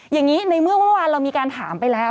อย่างนี้ในเมื่อเมื่อวานเรามีการถามไปแล้ว